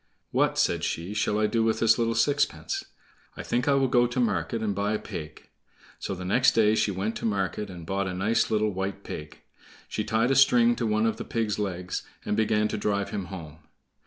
"What," said she, "shall I do with this little sixpence? I think I will go to market and buy a pig." So the next day she went to market and bought a nice little white pig. She tied a string to one of the pig's legs and began to drive him home.